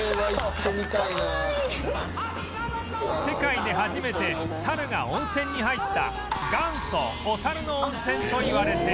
世界で初めて猿が温泉に入った元祖お猿の温泉といわれている